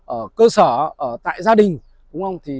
ở cơ sở tại gia đình